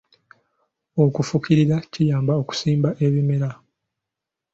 Okufukirira kiyamba okusimba ebimera.